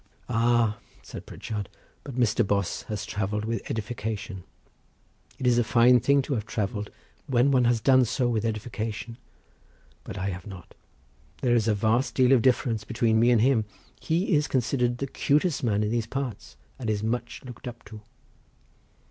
"Ah," said Pritchard, "but Mr. Bos has travelled with edification; it is a fine thing to have travelled when one has done so with edification, but I have not. There is a vast deal of difference between me and him—he is considered the 'cutest man in these parts, and is much looked up to."